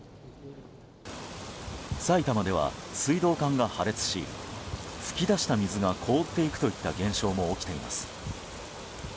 さいたまでは水道管が破裂し噴き出した水が凍っていくといった現象も起きています。